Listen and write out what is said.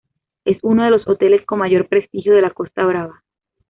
Es uno de los hoteles con mayor prestigio de la Costa Brava.